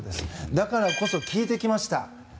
だからこそ、聞いてきました。